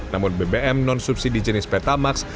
namun bbm non subsidi jenis pertamax